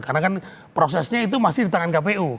karena kan prosesnya itu masih di tangan kpu